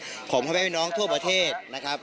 ทุกคนมีความสุขครับได้รับเงินเพราะว่าเขารอมานานแล้วนะครับ